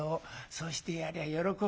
そうしてやりゃあ喜ぶよ。